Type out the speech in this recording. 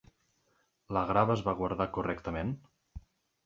La grava es va guardar correctament?